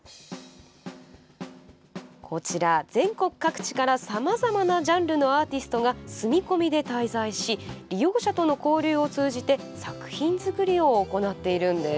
こちら、全国各地からさまざまなジャンルのアーティストが住み込みで滞在し利用者との交流を通じて作品作りを行っているんです。